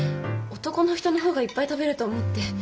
男の人の方がいっぱい食べると思って。